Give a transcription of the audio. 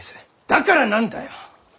だから何だよ！